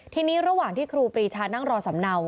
ทีนี้ระหว่างที่ครูปรีชานั่งรอสำเนา